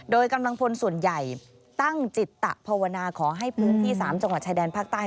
โดยกำลังพลส่วนใหญ่ตั้งจิตตะภาวนาขอให้พื้นที่๓จังหวัดชายแดนภาคใต้